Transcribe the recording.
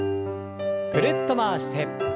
ぐるっと回して。